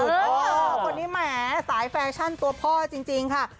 คนนี้แหมสายแฟชั่นตัวพ่อจริงค่ะ